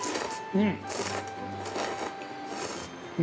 うん。